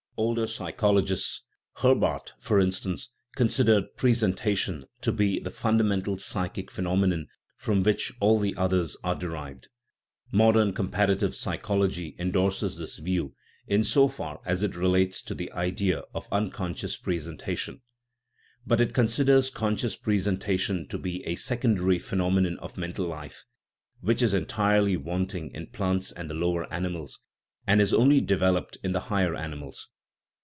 Older psychologists (Herbart, for instance) consid ered " presentation " to be the fundamental psychic phe nomenon, from which all the others are derived. Mod ern comparative psychology endorses this view in so far as it relates to the idea of unconscious presentation ; but it considers conscious presentation to be a secondary phenomenon of mental life, which is entirely wanting in plants and the lower animals, and is only developed in the higher animals.